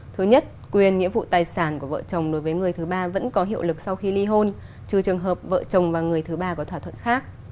thứ nhất quyền nghĩa vụ tài sản của vợ chồng đối với người thứ ba vẫn có hiệu lực sau khi ly hôn trừ trường hợp vợ chồng và người thứ ba có thỏa thuận khác